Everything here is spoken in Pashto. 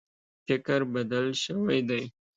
فکر بدل شوی دی.